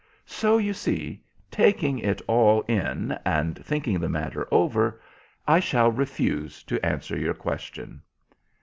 So you see, taking it all in, and thinking the matter over, I shall refuse to answer your question."